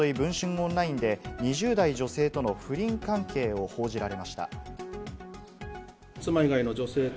オンラインで２０代女性との不倫関係を報じられ。